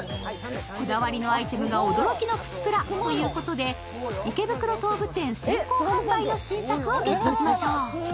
こだわりのアイテムが驚きのプチプラということで、池袋東武店先行販売の新作をゲットしましょう。